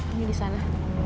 tami di sana